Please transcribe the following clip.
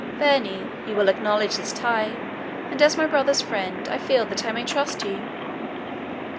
Verney, you will acknowledge this tie, and as my brother's friend, I feel that I may trust you."